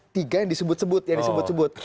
tiga yang disebut sebut yang disebut sebut